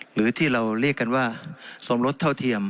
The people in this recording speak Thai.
หรือที่เราเรียกกันว่าสมรสเท่าเทียม